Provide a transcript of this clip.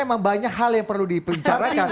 memang banyak hal yang perlu dipencarkan